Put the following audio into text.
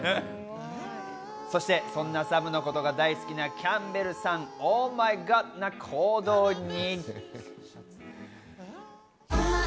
そして、そんなサムの事が大好きなキャンベルさん、ＯｈｍｙＧｏｄな行動に。